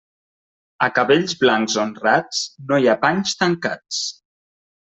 A cabells blancs honrats no hi ha panys tancats.